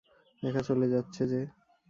একা চলে যাচ্ছে যে?